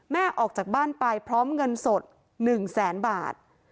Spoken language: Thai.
ออกจากบ้านไปพร้อมเงินสด๑แสนบาท